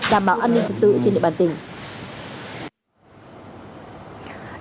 đảm bảo an ninh trật tự trên địa bàn tỉnh